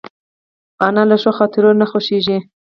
انا له ښو خاطرو نه خوښېږي